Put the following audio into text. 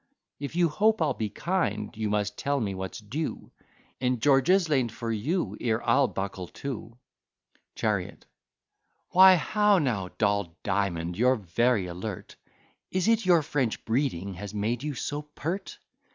If you hope I'll be kind, you must tell me what's due In George's lane for you, ere I'll buckle to. CHARIOT Why, how now, Doll Diamond, you're very alert; Is it your French breeding has made you so pert?